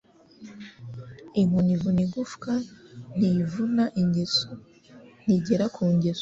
Inkoni ivuna igufwa ntivuna ingeso ( ntigera ku ngeso)